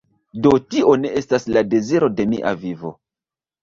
Do tio ne estas la deziro de mia vivo